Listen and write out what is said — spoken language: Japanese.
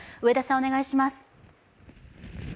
お願いします。